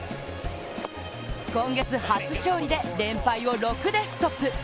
今月初勝利で連敗を６でストップ。